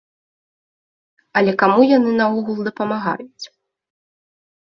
Але каму яны наогул дапамагаюць.